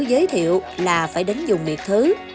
giới thiệu là phải đến dùng miệng thứ